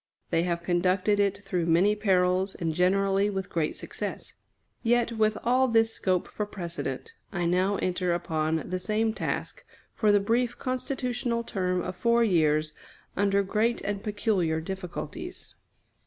They have conducted it through many perils, and generally with great success. Yet, with all this scope for precedent, I now enter upon the same task, for the brief constitutional term of four years, under great and peculiar difficulties.